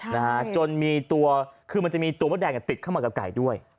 มันจะมีตัวมดแดงติดเข้ามากับไก่ด้วย